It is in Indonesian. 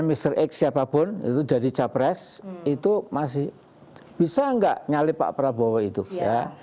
mr x siapapun itu jadi capres itu masih bisa nggak nyalip pak prabowo itu ya